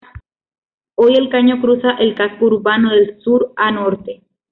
Hoy el caño cruza el casco urbano de sur a norte.